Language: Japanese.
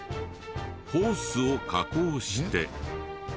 ホースを加工して。